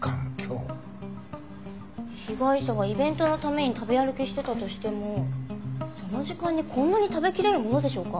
被害者がイベントのために食べ歩きしてたとしてもその時間にこんなに食べきれるものでしょうか？